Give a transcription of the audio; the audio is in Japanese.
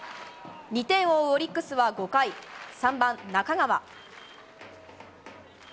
２点を追うオリックスは５回、３番中川。